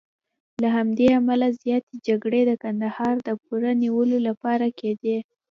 له همدې امله زیاتې جګړې د کندهار د پوره نیولو لپاره کېدې.